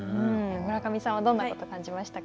村上さんはどんなことを感じましたか。